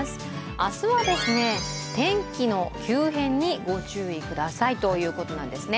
明日は天気の急変にご注意くださいということなんですね。